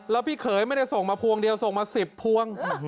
แล้วพี่เขยไม่ได้ส่งมาพวงเดียวส่งมา๑๐พวง